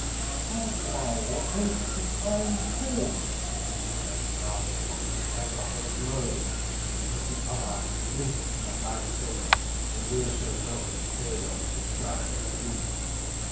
strike now, or else the Iron cooles War. I had rather chop this Hand off at a blow, And with the other, fling it at thy face, Then beare so low a sayle, to strike to thee Edw.